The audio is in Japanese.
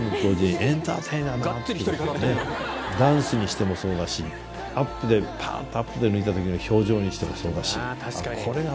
ダンスにしてもそうだしパンっとアップで抜いた時の表情にしてもそうだし。